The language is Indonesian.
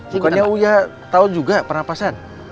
bukannya uya tau juga pernapasan